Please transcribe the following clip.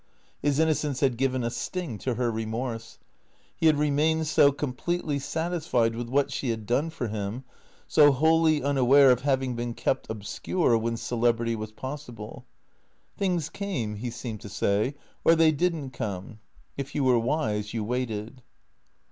His innocence had given a sting to her remorse. He had re mained so completely satisfied with what she had done for him, so wholly unaware of having been kept obscure when celebrity was possible. Things came, he seemed to say, or they did n't come. If you were wise you waited.